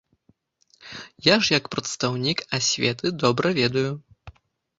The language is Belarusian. Я ж як прадстаўнік асветы добра ведаю!